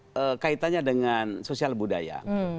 itu kaitannya dengan sosial budaya